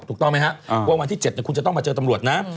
ถูกต้องไหมครับว่าวันที่๗คุณจะต้องมาเจอตำรวจนะ